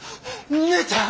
姉ちゃん。